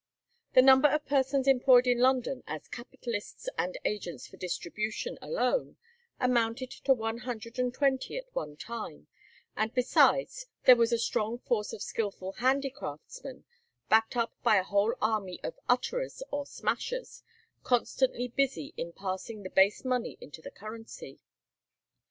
The number of persons employed in London as capitalists and agents for distribution alone amounted to one hundred and twenty at one time; and besides there was a strong force of skilful handicraftsmen, backed up by a whole army of "utterers" or "smashers," constantly busy in passing the base money into the currency.